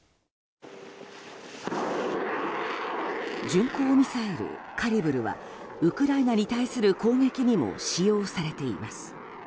巡航ミサイル、カリブルはウクライナに対する攻撃にも使用されています。